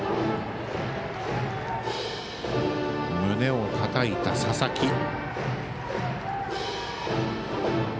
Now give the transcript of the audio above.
胸をたたいた佐々木。